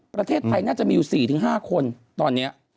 ประเทศไทยน่าจะมีอยู่๔๕คนตอนนี้